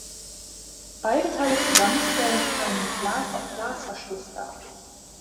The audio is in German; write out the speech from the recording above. Beide Teile zusammen stellen einen Glas-auf-Glas-Verschluss dar.